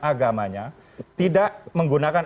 agamanya tidak menggunakan